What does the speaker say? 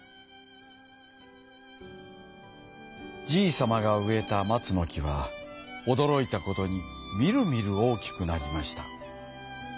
じいさまがうえたまつのきはおどろいたことにみるみるおおきくなりました。